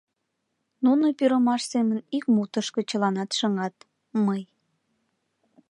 Нуно, пӱрымаш семын, ик мутышко чыланат шыҥат: «мый».